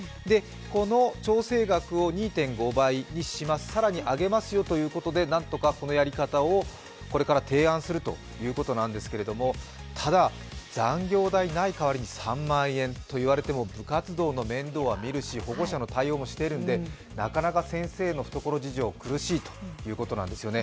この調整額を２．５倍にします、更にあげますよということでなんとかこのやり方をこれから提案するということなんですが、ただ残業代ないかわりに３万円と言われても部活動の面倒はみるし、保護者の対応もしているのでなかなか先生の懐事情苦しいということなんですよね。